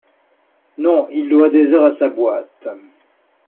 Non, il doit des heures à sa boîte.